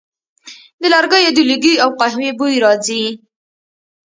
د لرګیو د لوګي او قهوې بوی راځي